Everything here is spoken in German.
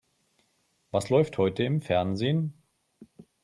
Was läuft heute im Fernsehen?